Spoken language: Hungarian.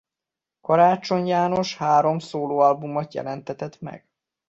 Karácsony János három szólóalbumot jelentetett meg.